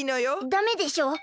ダメでしょ。